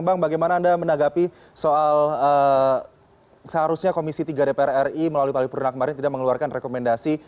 bang bagaimana anda menanggapi soal seharusnya komisi tiga dpr ri melalui palipurna kemarin tidak mengeluarkan rekomendasi